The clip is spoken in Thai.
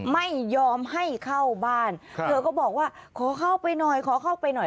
ไม่ยอมให้เข้าบ้านเธอก็บอกว่าขอเข้าไปหน่อยขอเข้าไปหน่อย